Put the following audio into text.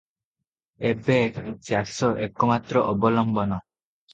ଏବେ ଚାଷ ଏକମାତ୍ର ଅବଲମ୍ବନ ।